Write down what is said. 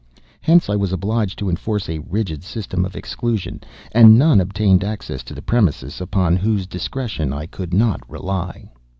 Hence I was obliged to enforce a rigid system of exclusion; and none obtained access to the premises upon whose discretion I could not rely."